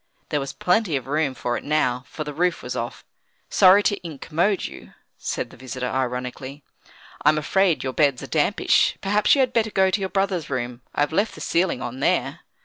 There was plenty of room for it now, for the roof was off. "Sorry to incommode you," said their visitor, ironically. "I'm afraid your beds are dampish; perhaps you had better go to your brother's room; I've left the ceiling on there."